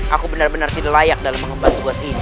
aku benar benar tidak layak dalam mengemban tugas ini